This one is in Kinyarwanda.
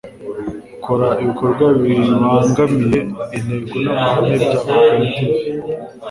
ukora ibikorwa bibangamiye intego n'amahame bya koperative